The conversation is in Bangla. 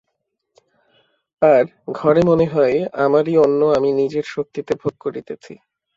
আর, ঘরে মনে হয়, আমারই অন্ন আমি নিজের শক্তিতে ভোগ করিতেছি।